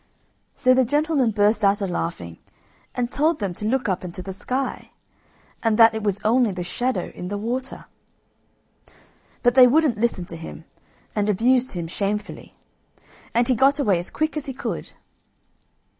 So the gentleman burst out a laughing, and told them to look up into the sky, and that it was only the shadow in the water. But they wouldn't listen to him, and abused him shamefully, and he got away as quick as he could.